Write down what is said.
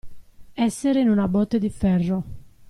Essere in una botte di ferro.